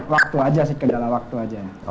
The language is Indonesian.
waktu aja sih kendala waktu aja